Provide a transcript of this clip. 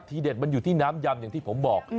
เด็ดมันอยู่ที่น้ำยำอย่างที่ผมบอก